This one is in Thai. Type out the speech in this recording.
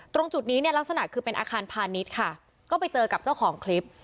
ตรงจุดนี้เนี่ยลักษณะคือเป็นอาคารพาณิชย์ค่ะก็ไปเจอกับเจ้าของคลิป